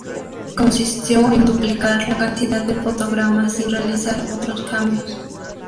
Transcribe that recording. Consistió en duplicar la cantidad de fotogramas sin realizar otros cambios.